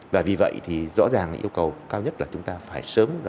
và vì vậy thì rõ ràng yêu cầu cao nhất là chúng ta phải sớm